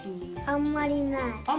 あんまりない。